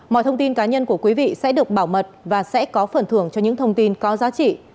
mọi thông tin cá nhân của quý vị sẽ được bảo mật và sẽ có phần thưởng cho những thông tin có giá trị